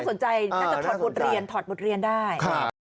สนใจน่าจะถอดบทเรียนถอดบทเรียนได้